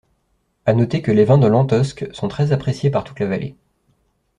À noter que les vins de Lantosque sont très appréciés par toute la vallée.